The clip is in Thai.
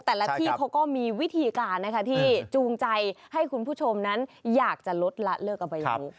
แต่ละที่เขาก็มีวิธีการนะคะที่จูงใจให้คุณผู้ชมนั้นอยากจะลดละเลิกเอาไปรู้